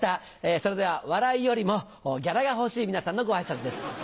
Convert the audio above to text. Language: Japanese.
それでは笑いよりもギャラが欲しい皆さんのご挨拶です。